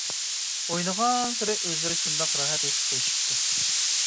ئوينىغانسېرى ئۆزلىرى شۇنداق راھەت ھېس قىلىشىپتۇ.